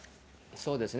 そうですね。